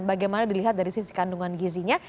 bagaimana dilihat dari sisi kandungan gizinya